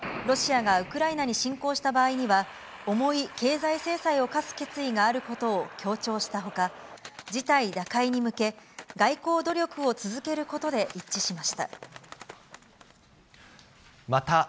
ロシアがウクライナに侵攻した場合は、重い経済制裁を科す決意があることを強調したほか、事態打開に向け、外交努力を続けることで一致しました。